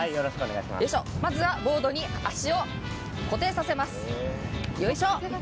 まずはボードに足を固定させます。